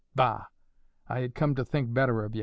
Bah! I had come to think better of ye."